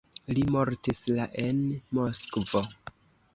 Li mortis la en Moskvo.